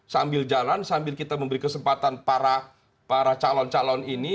sambil jalan sambil kita memberi kesempatan para calon calon ini